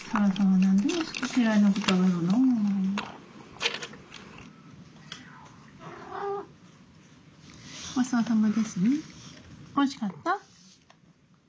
おいしかった？